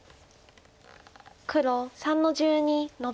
黒３の十二ノビ。